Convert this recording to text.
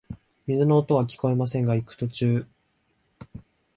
水の音はきこえませんが、行く途中、